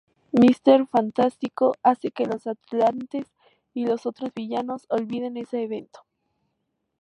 Míster Fantástico hace que los atlantes y los otros villanos olviden este evento.